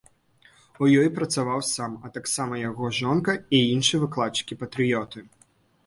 У ёй працаваў сам, а таксама яго жонка і іншыя выкладчыкі-патрыёты.